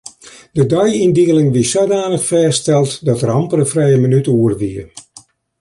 De deiyndieling wie sadanich fêststeld dat der amper in frije minút oer wie.